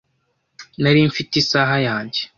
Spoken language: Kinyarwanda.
Nari mfite isaha yanjye .